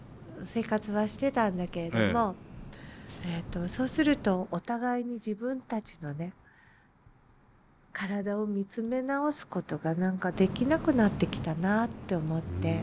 生活はしてたんだけれどもそうするとお互いに自分たちのね体を見つめ直すことができなくなってきたなって思って。